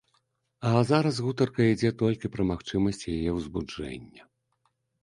А зараз гутарка ідзе толькі пра магчымасць яе ўзбуджэння.